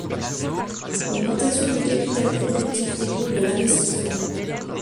L’augmentation du capital productif découle de l’investissement.